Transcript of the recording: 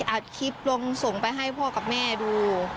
อัดคลิปลงส่งไปให้พ่อกับแม่ดู